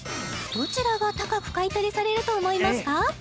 どちらが高く買い取りされると思いますか？